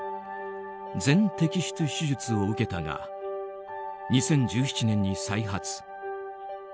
全摘出手術を受けたが２０１７年に再発。